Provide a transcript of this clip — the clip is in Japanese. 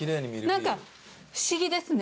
何か不思議ですね。